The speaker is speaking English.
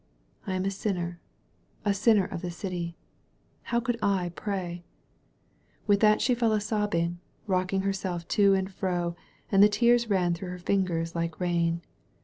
I am a sinner, a sinner of the city. How could I pray ?" With that she fell a sobbing, rocking herself to and fro, and the tears ran through her fingers like rain.